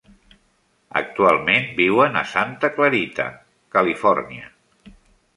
Actualment viuen a Santa Clarita, Califòrnia.